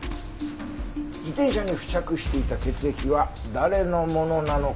自転車に付着していた血液は誰のものなのか？